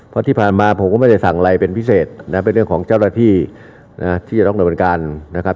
เพราะที่ผ่านมาผมก็ไม่ได้สั่งอะไรเป็นพิเศษนะเป็นเรื่องของเจ้าหน้าที่นะที่จะต้องดำเนินการนะครับ